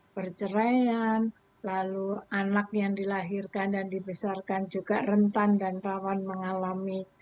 perceraian lalu anak yang dilahirkan dan dibesarkan juga rentan dan rawan mengalami